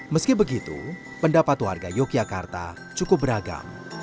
meski begitu pendapat warga yogyakarta cukup beragam